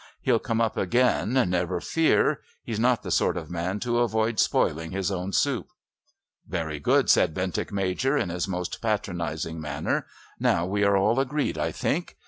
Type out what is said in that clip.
He'll come up again, never fear. He's not the sort of man to avoid spoiling his own soup." "Very good," said Bentinck Major in his most patronising manner. "Now we are all agreed, I think.